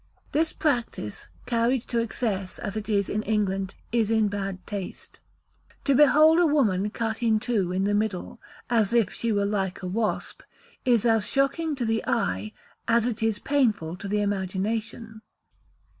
This practice, carried to excess as it is in England, is in bad taste. To behold a woman cut in two in the middle, as if she were like a wasp, is as shocking to the eye as it is painful to the imagination.